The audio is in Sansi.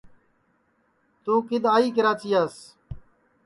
توں کِدؔ آئی کراچیاس